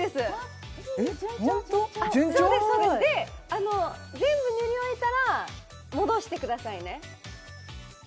あの全部塗り終えたら戻してくださいね・